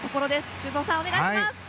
修造さん、お願いします。